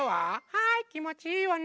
はいきもちいいわね！